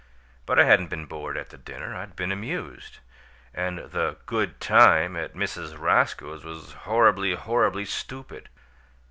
But I hadn't been bored at the dinner, I'd been amused; and the 'good time' at Mrs. Roscoe's was horribly, horribly stupid."